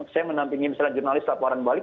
saya menampingi misalnya jurnalis laporan balik